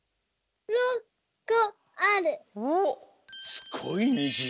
すごいにじ。